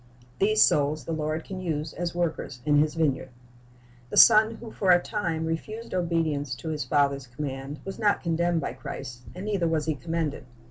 "' These souls the Lord can use as workers in His vineyard. The son who for a time refused obedience to his father's command was not condemned by Christ; and neither was he commended.